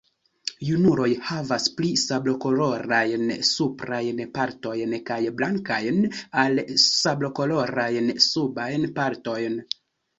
Junuloj havas pli sablokolorajn suprajn partojn kaj blankajn al sablokolorajn subajn partojn.